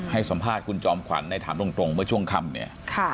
ให้สัมภาษณ์คุณจอมขวัญในถามตรงเมื่อช่วงค่ำเนี่ย